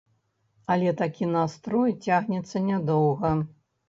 Але такі настрой цягнецца нядоўга.